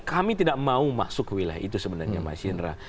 kami tidak mau masuk ke wilayah itu sebenarnya mas indra